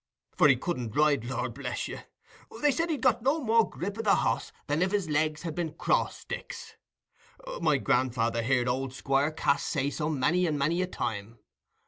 For he couldn't ride; lor bless you! they said he'd got no more grip o' the hoss than if his legs had been cross sticks: my grandfather heared old Squire Cass say so many and many a time.